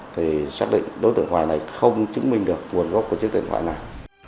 thì xác định đối tượng hoài này không chứng minh được nguồn gốc của chiếc điện thoại này